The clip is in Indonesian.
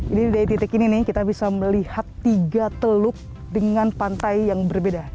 ini dari titik ini nih kita bisa melihat tiga teluk dengan pantai yang berbeda